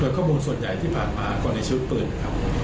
โดยข้อมูลส่วนใหญ่ที่ผ่านมากรณีชีวิตปืนนะครับ